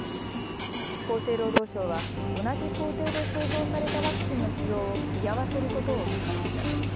厚生労働省は同じ工程で製造されたワクチンの使用を見合わせることを決めました。